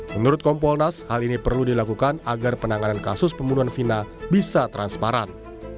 menurut kompolnas hal ini perlu dilakukan agar penanganan kasus pembunuhan vina bisa transparan